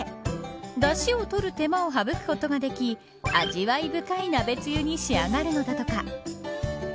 だしを取る手間を省くことができ味わい深い鍋つゆに仕上がるのだとか。